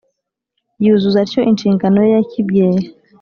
Yuzuza atyo inshingano ye ya kibyeyi